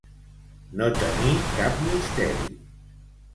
No tenir cap misteri.